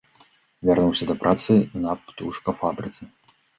Вярнуўся да працы на птушкафабрыцы.